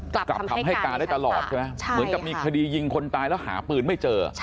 กลับคำให้การได้ตลอดใช่ไหมเหมือนกับมีคดียิงคนตายแล้วหาปืนไม่เจอ